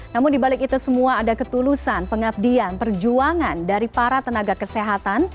namun dibalik itu semua ada ketulusan pengabdian perjuangan dari para tenaga kesehatan